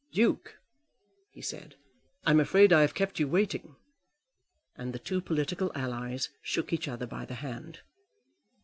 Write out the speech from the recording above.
"Duke," he said, "I'm afraid I have kept you waiting." And the two political allies shook each other by the hand.